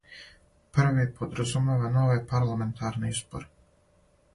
Први подразумева нове парламентарне изборе.